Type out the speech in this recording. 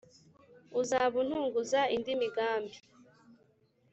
uzaba untunguza indi migambi